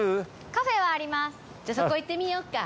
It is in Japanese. じゃあそこ行ってみようか。